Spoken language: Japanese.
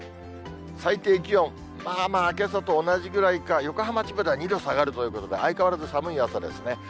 最低気温、まあまあけさと同じぐらいか、横浜、千葉では２度下がるということで、相変わらず寒い朝ですね。